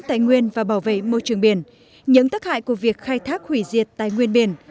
tài nguyên và bảo vệ môi trường biển những tác hại của việc khai thác hủy diệt tài nguyên biển